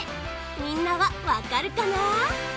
みんなはわかるかな？